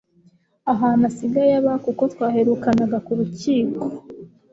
ahantu asigaye aba kuko twaherukanaga kurukiko